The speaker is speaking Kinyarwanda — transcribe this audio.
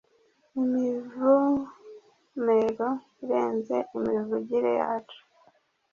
imivumero, irenze imivugire yacu